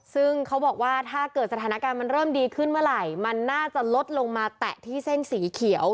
ซึ่งเขาบอกว่าถ้าเกิดสถานการณ์มันเริ่มดีขึ้นเมื่อไหร่มันน่าจะลดลงมาแตะที่เส้นสีเขียว